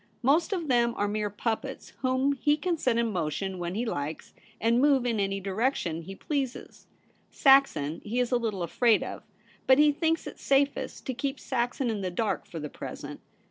Most of them are mere pup pets, whom he can set in motion when he likes, and move in any direction he pleases. Saxon he is a little afraid of ; but he thinks it safest to keep Saxon in the dark for the present.